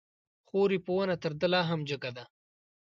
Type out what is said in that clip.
خور يې په ونه تر ده لا هم جګه ده